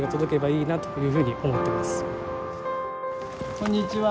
こんにちは。